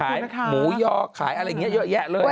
ขายหมูยอขายอะไรอย่างนี้เยอะแยะเลย